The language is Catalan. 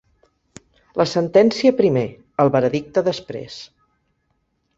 La sentència primer, el veredicte després.